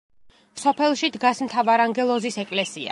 სოფელში დგას მთავარანგელოზის ეკლესია.